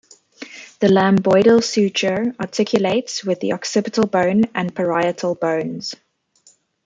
The lambdoidal suture articulates with the occipital bone and parietal bones.